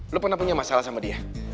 lu pernah punya masalah sama dia